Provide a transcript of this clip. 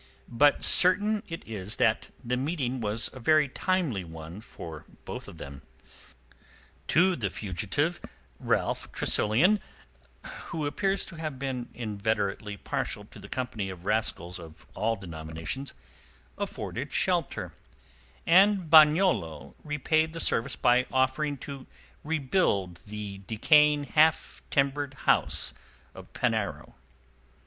But certain it is that the meeting was a very timely one for both of them. To the fugitive, Ralph Tressilian—who appears to have been inveterately partial to the company of rascals of all denominations—afforded shelter; and Bagnolo repaid the service by offering to rebuild the decaying half timbered house of Penarrow.